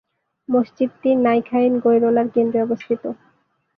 মসজিদটি নাইখাইন-গৈড়লার কেন্দ্রে অবস্থিত।